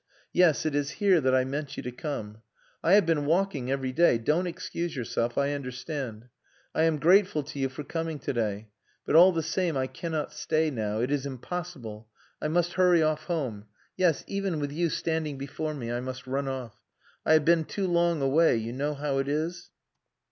Yes, it is here that I meant you to come. I have been walking every day.... Don't excuse yourself I understand. I am grateful to you for coming to day, but all the same I cannot stay now. It is impossible. I must hurry off home. Yes, even with you standing before me, I must run off. I have been too long away.... You know how it is?"